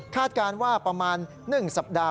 การว่าประมาณ๑สัปดาห์